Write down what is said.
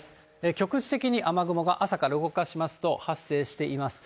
局地的に雨雲が朝から動かしますと発生しています。